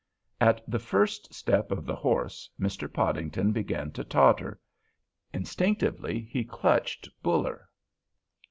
At the first step of the horse Mr. Podington began to totter. Instinctively he clutched Buller.